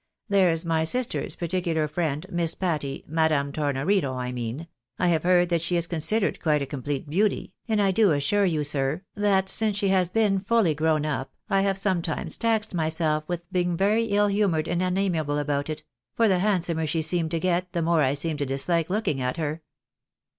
There's my sister's particular friend, Miss Patty — Madame Tornorino, I mean — have heard that she is considered quite a complete beauty, and I do assure you, sir, that since she has been fully grown up, I have sometimes taxed myself with being very ill humoured and unamiable about it — for the handsomer she seemed to get, the more I seemed to disUke looking at her."